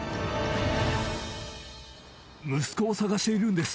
息子を捜しているんです。